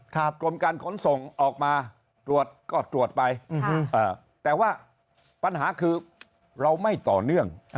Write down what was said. กรมการขนส่งออกมาตรวจก็ตรวจไปแต่ว่าปัญหาคือเราไม่ต่อเนื่อง